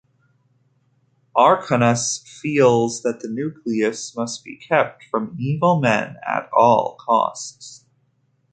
Akronas feels that the Nucleus must be kept from evil men at all costs.